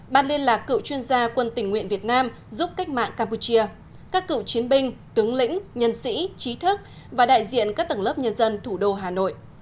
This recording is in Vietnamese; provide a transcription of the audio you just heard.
ban liên lạc cựu chuyên gia quân tình nguyện việt nam giúp cách mạng campuchia các cựu chiến binh tướng lĩnh nhân sĩ trí thức và đại diện các tầng lớp nhân dân thủ đô hà nội